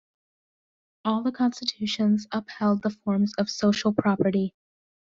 All the constitutions upheld the forms of social property.